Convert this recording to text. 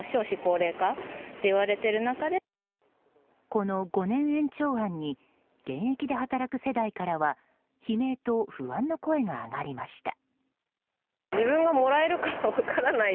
この５年延長案に現役で働く世代からは悲鳴と不安の声が上がりました。